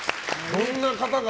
どんな方が。